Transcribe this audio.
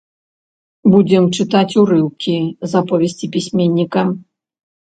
Будзем чытаць урыўкі з аповесцяў пісьменніка.